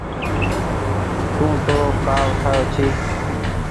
تو تونٚ ڪآ اُٺآيو ڇي